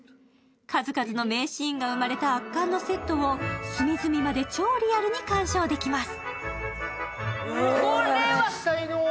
数々の名シーンが生まれた圧巻のセットを隅々まで超リアルに鑑賞できます。